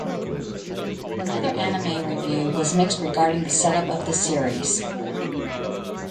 Another Anime Review was mixed regarding the setup of the series.